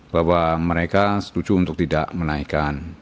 bahwa mereka setuju untuk tidak menaikkan